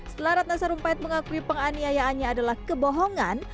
setelah ratna sarumpait mengakui penganiayaannya adalah kebohongan